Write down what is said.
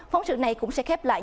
phóng sự này cũng sẽ khép lại